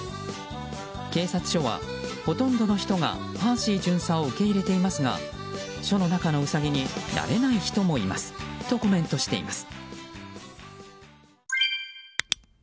警察署は、ほとんどの人がパーシー巡査を受け入れていますが署の中のウサギに慣れない人もいますとコメントしています。